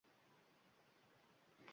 Menimcha, bu kamsitish